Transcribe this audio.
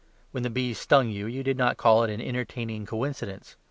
When the bees stung you, you did not call it an entertaining coincidence.